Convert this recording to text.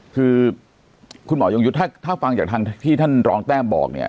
คือคุณหมอยงยุทธ์ถ้าฟังจากทางที่ท่านรองแต้มบอกเนี่ย